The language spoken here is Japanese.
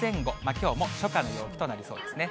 きょうも初夏の陽気となりそうですね。